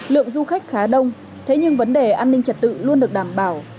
lượng du khách khá đông thế nhưng vấn đề an ninh trật tự luôn được đảm bảo